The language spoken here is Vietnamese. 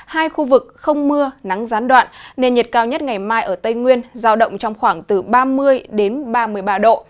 hai khu vực không mưa nắng gián đoạn nên nhiệt cao nhất ngày mai ở tây nguyên giao động trong khoảng từ ba mươi đến ba mươi ba độ